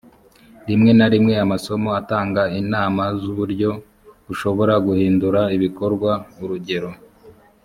rimwe na rimwe amasomo atanga inama z uburyo ushobora guhindura ibikorwa urugero